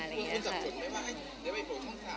คุณคุณจับจุดไหมว่าให้ได้ไปโกรธช่อง๓หรือว่าโกรธช่อง๗